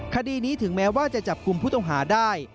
คดีนี้ถึงแม้ว่าจะจับกลุ่มผู้ต้องหาได้